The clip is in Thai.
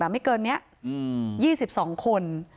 ไม่เกินนี้๒๒คน